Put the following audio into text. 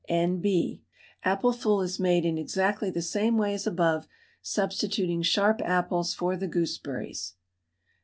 N.B. Apple fool is made in exactly the same way as above, substituting sharp apples for the gooseberries.